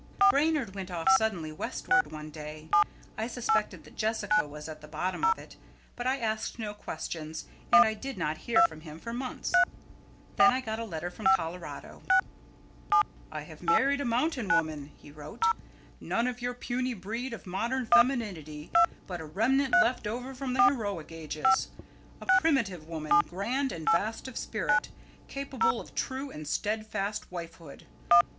Brainard went off suddenly Westward one day. I suspected that Jessica was at the bottom of it, but I asked no questions; and I did not hear from him for months. Then I got a letter from Colorado. "I have married a mountain woman," he wrote. "None of your puny breed of modern femininity, but a remnant left over from the heroic ages, a primitive woman, grand and vast of spirit, capable of true and steadfast wifehood.